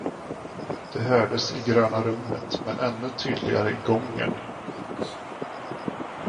Det hördes i gröna rummet men ännu tydligare i gången.